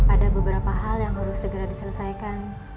ada beberapa hal yang harus segera diselesaikan